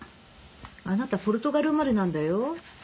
あなたポルトガル生まれなんだよ。